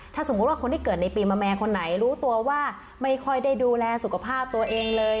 ถ้าสมมุติว่าคนที่เกิดในปีมะแม่คนไหนรู้ตัวว่าไม่ค่อยได้ดูแลสุขภาพตัวเองเลย